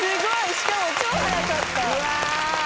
しかも超早かった。